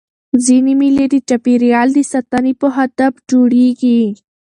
ځيني مېلې د چاپېریال د ساتني په هدف جوړېږي.